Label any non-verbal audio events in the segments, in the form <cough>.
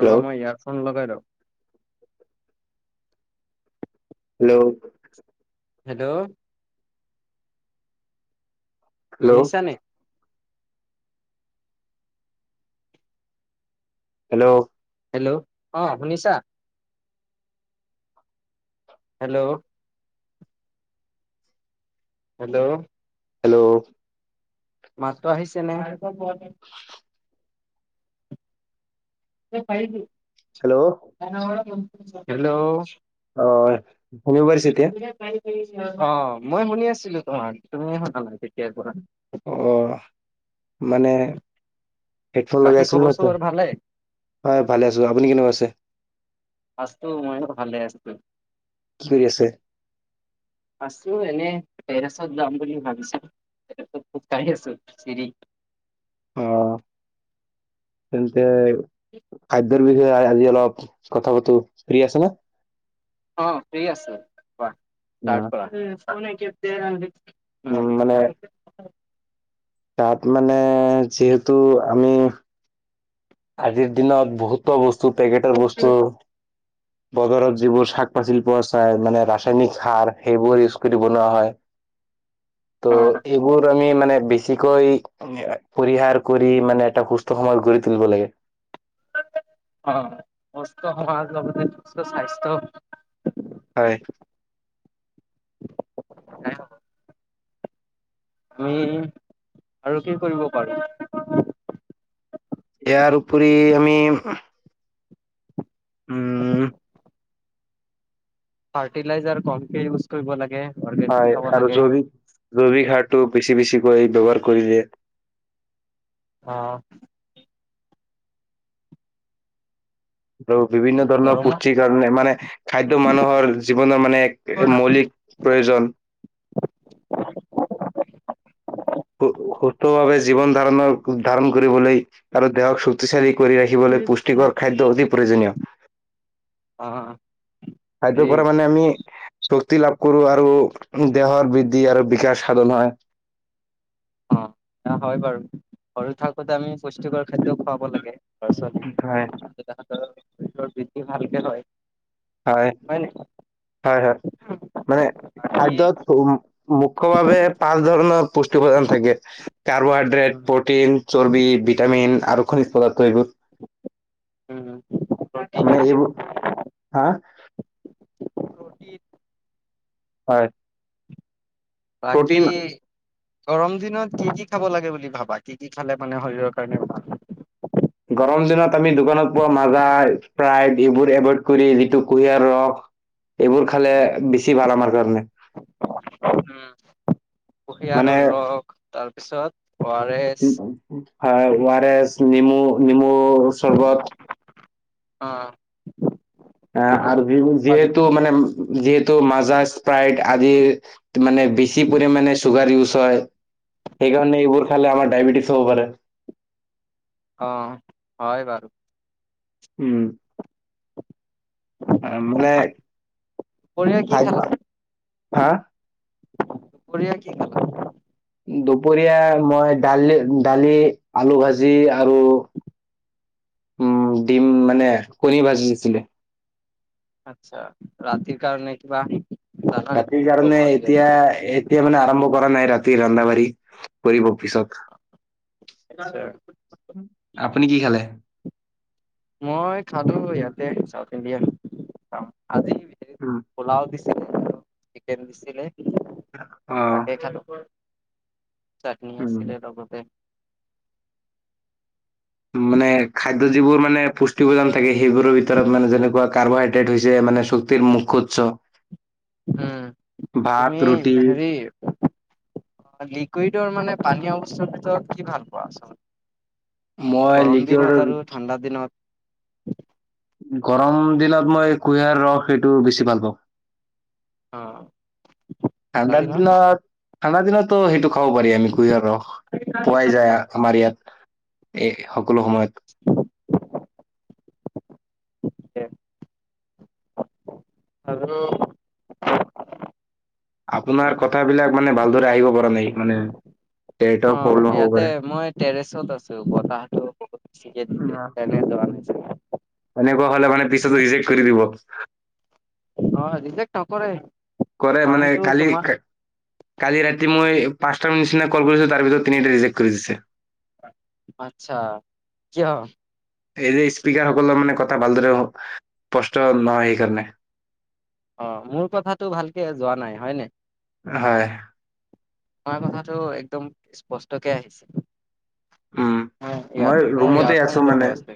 ৰবা মই এয়াৰফোন লগাই লওঁ হেল্ল' হেল্ল' হেল্ল' শুনিছা নে হেল্ল' হেল্ল' অ শুনিছা হেল্ল' হেল্ল' হেল্ল' মাতটো আহিছে নে <inaudible> হেল্ল' হেল্ল' অ ইউনিভাৰ্চিটি অ মই শুনি আছিলো তোমাৰ তুমি শুনা নাই তেতিয়া পৰা অ মানে হেডফোন লগাই বাকী আছিল ন খবৰ তই চবৰ ভালে? হয় ভালে আছো আপুনি কেনেকুৱা আছে আছো মইয়ো ভালে আছো কি কৰি আছে আছো এনে টেৰেছত যাম বুলি ভাবিছো খোজকাঢ়ি আছো চিৰি অ তেন্তে খাদ্য বিষয়ে <unintelligible> আজি অলপ কথা পাতো ফ্ৰী আছে না অ ফ্ৰ্ৰী আছো অ উম মানে তাত মানে যিহেতু আমি আজিৰ দিনত বহুতো বস্তু পেকেটৰ কৰা। বস্তু বজাৰত যিবোৰ শাক পাচলি পোৱা চায় মানে ৰাসায়নিক সাৰ সেইবোৰ ইউজ কৰি বনোৱা হয় অ ত' এইবোৰ আমি মান মে বেছিকৈ পৰিহাৰ কৰি মানে এটা সুস্থ সমাজ গঢ়ি তুলিব লাগে অ সুস্থ সমাজ লগতে সুস্থ স্বাস্থ্য হয় আহ <inaudible> আমি আৰু কি কৰিব পাৰো ইয়াৰ উপৰি আমি উম ফাৰ্টিলাইজাৰ কমকে ইউজ কৰিব লাগে অৰ্গেনিক হয় খাব আৰু লাগে জৈৱিক জৈৱিক সাৰ টো বেছি বেছি কৰি ব্যৱহাৰ কৰিলে অ ৰ <inaudible> বিভিন্ন ধৰণৰ গৰমত পুষ্টিৰ কাৰণে মানে খাদ্য মানুহৰ জীৱনৰ মানে এক মৌলিক প্ৰয়োজন <inaudible> সুস্থভাৱে জীৱন ধাৰণৰ ধাৰণ কৰিবলৈ আৰু দেহক শক্তিশালী কৰি ৰাখিবলৈ পুষ্টিকৰ খাদ্য অতি প্ৰয়োজনীয় অ খাদ্যৰ হেৰি পৰা মানে আমি শক্তি লাভ কৰো আৰু দেহৰ বৃদ্ধি আৰু বিকাশ সাধন হয় অ হয় বাৰু সৰু থাকোতে আমি পুষ্টিকৰ খাদ্য খুৱাব লাগে হয়, তাৰপিছত শৰীৰ বৃদ্ধি ভালকে হয় হয় নেকি হয় হয় মানে বাকী খাদ্যত মুখ্য্ ভাৱে পাঁচ ধৰণৰ পুষ্টিপদান থাকে কাৰ্বোহাইড্ৰেট প্ৰটিন চৰ্বি ভিটামিন আৰু খনিজ পদাৰ্থ সেইবোৰ উম মানে এইবোৰ হা প্ৰ'টিন হয় বাকী প্ৰটিন গৰম দিনত কি কি খাব লাগে বুলি ভাবা কি কি খালে মানে শৰীৰৰ কাৰণে ভাল গৰম দিনত আমি দোকানত পোৱা মাৰঘাই াই এইবোৰ এভইড কৰি যিটো কুঁহিয়াৰ ৰস এইবোৰ খালে বেছি ভাল আমাৰ কাৰণে উহ কুহিয়াৰ মানে ৰস তাৰপিছত ফাৰছ হয় আৰ এছ নিমু নিমু চৰবত অ আহ আৰু খাব পাৰিম যিহেতু মানে যিহেতু মাজা স্প্ৰাইট আজিৰ মানে বেছি পৰিমাণে চুগাৰ ইউজ হয় সেইকাৰণে এইবোৰ খালে আমাৰ ডায়বটিছ হব পাৰে অ হয় বাৰু উম অ মানানে দুপৰীয়া খ কি হা কৰিয়া কি ক দুপৰীয়া মই দালি দালি আলু ভাজি আৰু উম ডিম মানে কণী ভাজি দিছিলে আচ্ছা ৰাতিৰ কাৰণে কিবা আহ ৰাতি কাৰণে এতিয়া এতিয়া মানে আৰম্ভ কৰা নাই ৰাতি আন্ধাবাৰ কৰিব পিছত আচ্ছা আপুনি কি খালে মই খালো ইয়াতে চাউথ ইণ্ডিয়া আজি উম, পোলাও দি চিকেন দিছিলে অহ তাকে খালো ‌ চাটনি আছিলে লগতে মানে খাদ্য যিবোৰ মানে পুষ্টি প্ৰদান থাকে সেইবোৰৰ ভিতৰত মানে যেনেকুৱা কাৰ্বহাইড্ৰেট হৈছে মানে চব গোটেই মুখ্যৎ উম তুমি ভাত ৰুটি হেৰি লিকুইডৰ মানে পানী অৱস্থাৰ ভিতৰত কি ভাল পোৱা আচল মই গৰম লিকুইড দিনত আৰু ঠাণ্ডা দিনত গৰম দিনত মই কুঁহিয়াৰ ৰস সেইটো বেছি ভাল পাওঁ অ ঠাণ্ডাৰ দিনত ঠাণ্ডা দিনতো সেইটো খাব পাৰি আমি কুঁহিয়াৰ পোৱাই যায় আমাৰ ইয়াত এ সকলো সময়ত এ <unintelligible> আৰু আপোনাৰ কথাবিলাক মানে ভালদৰে আহিব পৰা নাই মানে নেটৱৰ্ক অহ প্ৰব্লেম হ'ব ইয়াতে পাৰে মই টেৰেছত আছো বতাহটো চিকেন দিলে তেনেহে দোকানে তেনেকুৱা হলে মানে পিছতো ৰিজেক্ট কৰি দিব অহ ৰিজেক্ট নকৰে কৰে মানে চাউণ্ডটো কালি তোমাৰ কালি ৰাতি মই পাঁচটা নিচিনা কল কৰিছে তাৰ ভিতৰত তিনিটা এটা ৰিজেণ্ট কৰি দিছে আচ্ছা কিয় এই যে স্পিকাৰ সকলৰ মানে কথা ভালদৰে স্পষ্ট নহ সেইকাৰণে অহ মোৰ কথাতটো ভালকে যোৱা নাই হয় ন হয় তোমাৰ কথাটো একদম স্পষ্টকে আহিছে উম ইয়াত মই মোৰ ৰুমতে ইয়াৰফোন আছো লগোৱা মানে আছে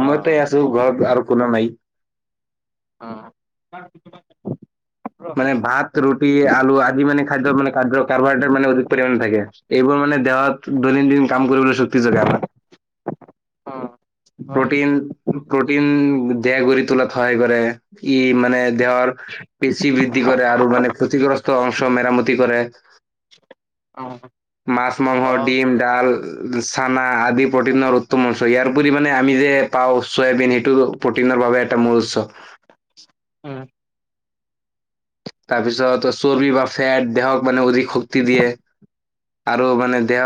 অ আছো ঘৰত আৰু কোনো নাই আহ মানে ভাত ৰুটি আলু আদি মানে খাদ্য মানে খাদ্য কাৰ্বহাইড্ৰেট মানে অধিক পৰিমাণে থাকে এইবোৰ মানে। মানে দেহত দৈনন্দিন কাম কৰিবলৈ শক্তি যোগে আমাৰ। অ হয় প্ৰটিন প্ৰটিন দেহা গড়ি তোলাত সহায় কৰে। ই মানে দেহৰ পেছি বৃদ্ধি কৰে আৰু মানে ক্ষতিগ্ৰস্ত অংশ মেৰামতি কৰে। অ মাছ মাংস অ ডিম ডাল। চানা আদি প্ৰটিনৰ উত্তম অংশ ইয়াৰ আমি মানে আমি যে পাওঁ চয়াবিন সেইটো প্ৰটিনৰ বাবে এটা মূল উৎস। উম। তাৰপিছত চৰ্বি বা ফেট দেহক মানে অধিক শক্তি দিয়ে। আৰু মানে দেহ,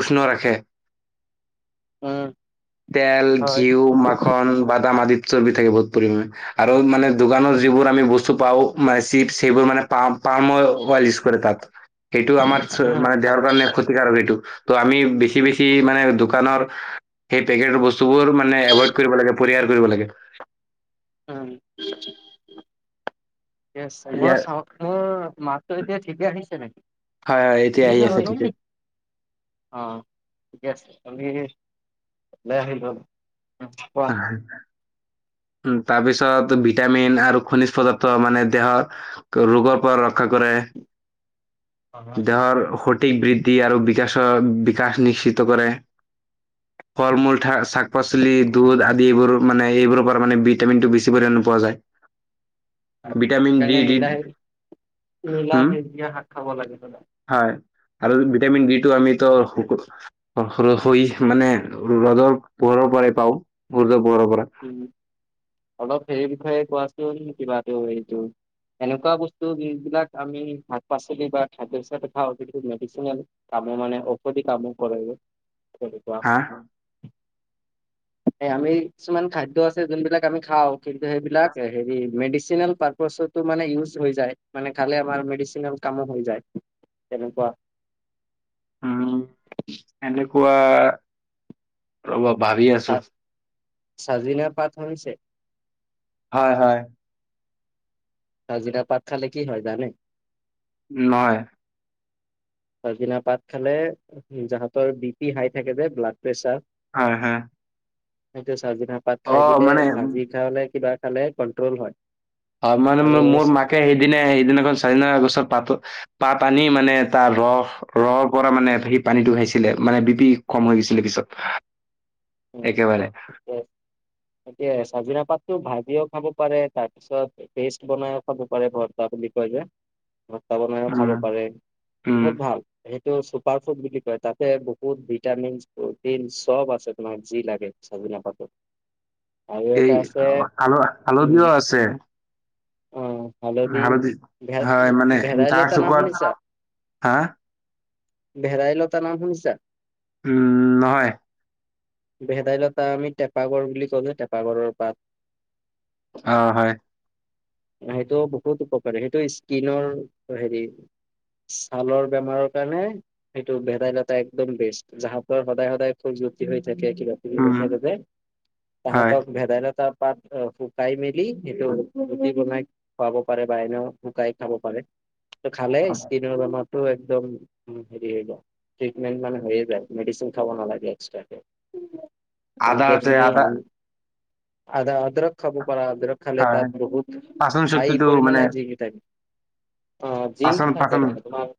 উষ্ণ ৰাখে। উম তেল হয় ঘিউ মাখন বাদাম আদিত। চৰ্বি থাকে বহুত পৰিমােনে আৰু মানে দোকানৰ যিবোৰ আমি বস্তু পাওঁ মানে চিপ সেইবোৰ মানে পা পামঅইল উঞ্জ কৰে তাত। সেইটো আমাৰ উম মানে দেহৰ কাৰণে ক্ষতিকাৰক এইেটো। ত' আমি বেছি বেছি মানে দোকানৰ, সেই পেকেট বস্তুবোৰ মানে এভইড কৰিব লাগে পৰিয়াল। কৰিব লাগে। উম। ঠিকে আছে ইয়াৰ মোৰ চাউণ্ডখনৰ মাতটো এতিয়া ঠিকে আহিছে নেকি। হয় হয় এতিয়া আহি আছে ঠিকে। অহ ঠিকে আছে কালিই আহি ‌লৈ চাইম। <unintelligible> উ তাৰ পিছত ভিটামিন আৰু খনিজ পদাৰ্থ মানে দেহৰ ৰোগৰ পৰা ৰক্ষা কৰে। দেহৰ। তিক বৃদ্ধি আৰু বিকাশৰ বিকাশ নিশ্চিত কৰে। ফল মূলাক শাক পাচলি। দুধ আদি এইবোৰ মানে এইবোৰৰ পৰা মানে ভিটামিন টো বেছি পৰি পোৱা যায়। Vitamin D. মলা হম সেজীয়া শাক খাব লাগে হলে। হয় আৰু ভিটামিন ডি টো আমিতো মানে ৰ'দৰ। প <unintelligible> উম অলপ সেই বিষয়ে কোৱাচোন কিবাতটো এইটো। এনেকুৱা বস্তু যিবিলাক আমি শাক পাচলি বা খাদ্যিথা অ মেডিচনেল। কাম মানে ঔষধি কাম কৰইব। কোৱা হা আমি। কিছুমান খাদ্য আছে যোন বিলাক আমি খাওঁ কিন্তু সেইবিলাক হেৰি মড। <unintelligible> কেনেপোৱা। উ এনেকুৱা প্ৰব। ভাবি আছো। চাজিনা পাত হৈছে। হয় হয়। কাজিৰা পাট খালে কি হয় জানে। নাই। পাছ দিনা পাত খালে জাহতৰ বি পি হাই থাকে যে ব্লাড প্ৰেছাৰ। হ হা। সেইটো চি পাত খাই দিলে ভাজি খালে কিবা খালে কন্ট্ৰল হয়। হয় মানে আৰু মোৰ মাকে সেইদিনা সেইদিনাখন চাৰিনা গছৰ পাতো। বা পানী মানে তাৰ ৰস ৰৰ পৰা মানে সেই পানীতটো খাইছিলে মানে বি পি কম হৈ গৈছিলে পিছত। একেবাৰে। এয়া চাজিনা পাতো ভাজিও খাব পাৰে তাৰ পিছত পেষ্ট বনাইও খাব পাৰে ভৰ্তা বুলি কয়। ভস্তা বনাই খাব উম, পাৰে উম, বহুত ভাল এ ত চুপাৰ ফুড বুলি কয় তাতে বহুত ভিটামিন প্ৰটিন চব আছে তোমাৰ যি লাগে প <unintelligible> এই আল আলধিও আছে উম হালধি ভে হয়, মানে ভেদাই গা লতা নাম চুকোৱাত শুনিছা হা ভেদাই লতা নাম শুনিছা উম নহয় ভেদাইলতা আমি টেপাগৰ বুলি ক'লে টেপাগ়ৰ পাত অ হয় সেইটো বহুত উপকাৰী সেইটো স্কিনৰ হেৰি ছালৰ বেমাৰৰ কাৰণে এইটো ভেদাইলতা একদম বেষ্ট জাহৰ সদায় সদায় খুব জুতি হয় তাকে কিবা কিবি হৈ উম, থাকে যে হয়। তাহাতক ভেদাইলতা তাৰ পাত শুকাই মেলি সেইটো বনাই খুৱাব পাৰে বা এনেও শুকাই খাব পাৰে খালে খালে স্কনিৰ বেমাৰ একদম হেৰি হব টিপমেন মানে হৈ যায় মেডিচিন খাব নালাগে এক্সট্ৰাকে আদত নি আধা হদ্ৰক খাব পৰা আধক খালে হয়, তাত বহুত পাচন হাই শক্তিটো মানে পৰিমাণে যিক থাকে অ পাচন জিংকটো থাকে পাচন মানে তোমাৰ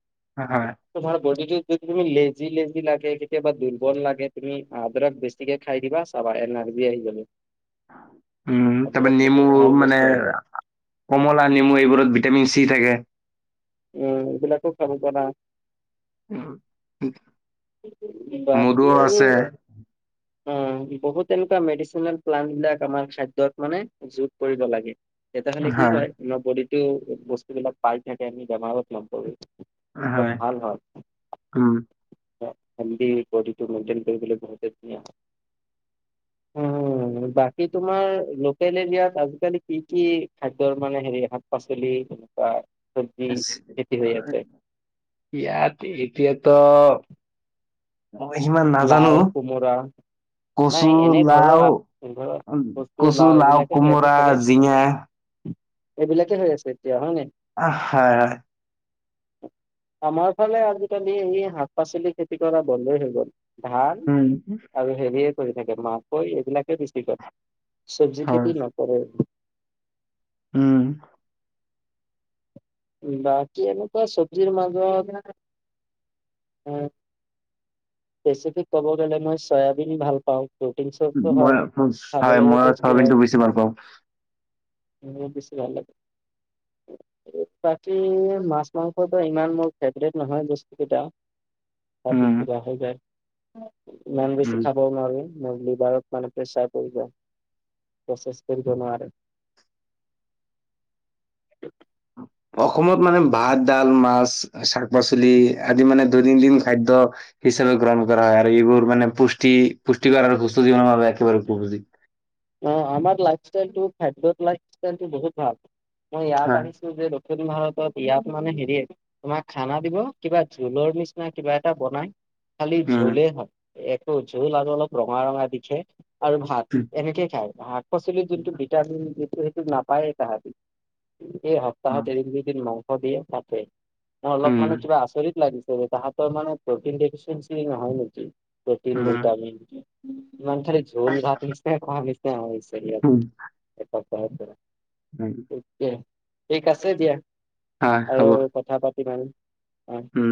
হয়। তোমাৰ বডিটো যদি তুমি লেজি লাগে কেতিয়াবা দুৰ্বল লাগে তুমি আদৰক বেছিকে খাই দিবা চাবা এনাৰ্জি আহি যাব উম তাৰ আদৰক পনি বহুত নেমু ভাল মানে বস্তু হয় কমলা নেমু এইবোৰত ভিটামিন চি থাকে উম এইবিলাকো খাব পাৰা অ উম বাকী মধুও আনু আছে উম বহুত তেনেকুৱা মেডিচিনত প্লানট বিলাক আমাৰ খাদ্যত মানে যোগ কৰিব লাগে তেতিয়াহলে কি হয় আমাৰ বডিটো বস্তুবিলাক পাৰত থাকে আমি বেমাৰত নপৰো অলপ ভাল হয় উম। হেল্দি বডীটো মেনটেইন কৰিবলে বহুতে ধুনীয়া <unintelligible> উম, বাকী তোমাৰ লোকেল এৰিয়াৰ আজিকালি কি কি খাদ্যৰ মানে হেৰি শাক পাচলি <unintelligible> চি খেতি হৈ আছে? ইয়াত এতিয়াতো মই সিমান নাজানো লাও কোমোৰা কচু, নাই এনে ঘৰৰ লাও ঘৰৰ বস্তু কচু, লাও এইবিলাকে হৈ আছে কোমোৰা, চাগে জিঙা এইবিলাকে হৈ আছে এতিয়া হয় নাই আহ, হয়, হয়, আমাৰ ফালে আজিকালি এই শাক পাচলি খেতি কৰা বন্ধ হৈ গ'ল ধান উম, আৰু হেৰিয়ে কৰি থাকে মাকৈ এইবিলাকে বেচি কৰে চবজি হয়, খেতি নকৰে উম বাকী এনেকুৱা চবজিৰ মাজত বেচিকে কব গলে মই চয়াবিন ভাল পাওঁ প্ৰটিন চপটো মই হয় হয়, মই খাবলৈও টেষ্টি চয়াবিনটো হয় বেছি ভাল পাওঁ, উ বেছি ভাল লাগে বাকী মাছ মাংসটো ইমান মোৰ ফেভেৰেট নহয় বস্তু কেইটা উম, অছ ইমান বেছি উম। খাবও নোৱাৰো মলীবাৰত মানে প্ৰেচাৰ পৰিব প্ৰচেছ কৰিব নোৱাৰে। ত অ অসমত মানে ভাত ডাল মাছ শাক পাচলি আদি মানে দৈনন্দিন খাদ্য। হিচাপে গ্ৰহণ কৰা হয় আৰু এইবোৰ মানে পুষ্টি পুষ্টি কৰাৰ সুস্থভ একেবাৰে উপযোগী। অ অ আমাৰ লাইফ ষ্টাইলটো ফাইভব লাইফ ষ্টাইলটো বহুত ভাল ম‌ই ইয়াত হয়, আহিছো যে দক্ষিণ ভাৰতত ইয়াত মানে হেৰি তোমাক খানা দিব কিবা জোলৰ নিচিনা কিবা এটা বনাই। খালি উম, জোলে হয় একো জোল আৰু অলপ ৰঙা ৰঙা দিখে আৰু ভাত। উম, এনেকেই খায় শাক পাচলিৰ যোনটো ভিটামিন যিটো সেইটো নাপায় তাহাঁতি। এই সপ্তাহত উম, এদিন দুদিন মাংস দিয়ে মাতে মই অলপ মানে উম, কিবা আচৰিত। লাগি যায় তাহাতৰ মানে প্ৰ'টিন দেহচেনচি নহয় নেকি প্ৰ'টিন উম, ভিটামিন। ইমান খিনি জোল ভাত দিছে ভছে হৈছে। উম, তে ঠিক আছে দিয়া আৰু কথা পাত কি দাম হম